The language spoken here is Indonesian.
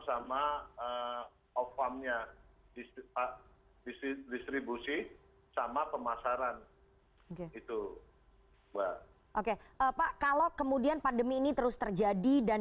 sama ofarmnya distribusi sama pemasaran itu pak kalau kemudian pandemi ini terus terjadi dan